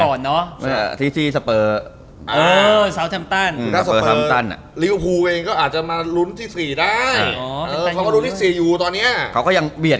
แค่เป็นทางทฤษฎี